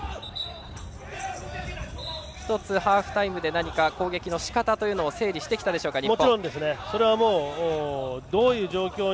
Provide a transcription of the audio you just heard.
１つハーフタイムで何か攻撃のしかたを整理してきたでしょうか、日本。